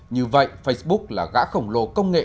như vậy facebook là gã khổng lồ công nghệ